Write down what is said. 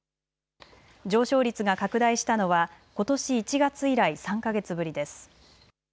上昇率が拡大したのはことし１月以来、３か月ぶりです。